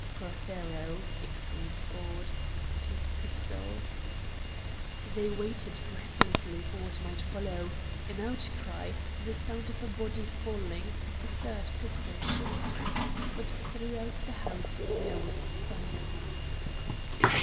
"Prothero!" exclaimed Ford, "and his pistol!" They waited breathlessly for what might follow: an outcry, the sound of a body falling, a third pistol shot. But throughout the house there was silence.